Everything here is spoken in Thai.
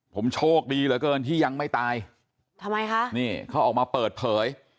ผมโชคดีเหลือเกินที่ยังไม่ตายทำไมคะนี่เขาออกมาเปิดเผย